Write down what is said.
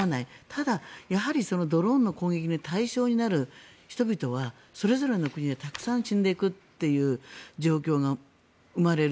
ただ、ドローンの攻撃の対象になる人々はそれぞれの国でたくさん死んでいくという状況が生まれる。